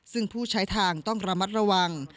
ซึ่งผู้ใช้ทางต้องระมัดระวัง